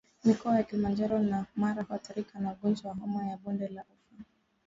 Mikoa ya Kilimanjaro na Mara huathirika na ugonjwa wa homa ya bonde la ufa